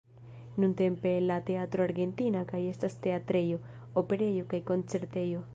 Nuntempe la Teatro Argentina kaj estas teatrejo, operejo kaj koncertejo.